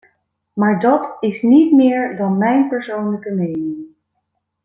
Maar dat is niet meer dan mijn persoonlijke mening.